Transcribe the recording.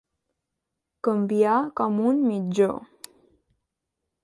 Canviar com un mitjó.